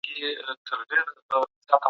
لوستې مور د صحي ؛خوړو ارزښت بيانوي.